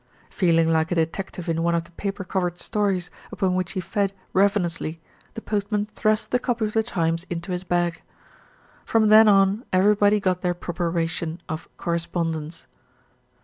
Feeling like a detective in one of the paper covered stories upon which he fed ravenously, the postman thrust the copy of The Times into his bag. From then on everybody got their proper ration of correspondence.